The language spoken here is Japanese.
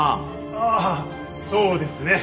ああそうですね。